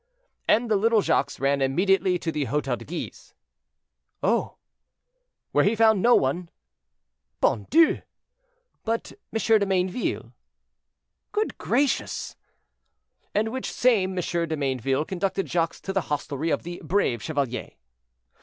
"And the little Jacques ran immediately to the Hotel de Guise." "Oh!" "Where he found no one." "Bon Dieu!" "But Monsieur de Mayneville." "Good gracious!" "And which same Monsieur de Mayneville conducted Jacques to the hostelry of the 'Brave Chevalier.'"